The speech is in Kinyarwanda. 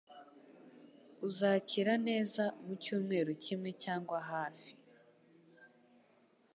Uzakira neza mucyumweru kimwe cyangwa hafi.